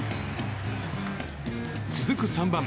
続く３番。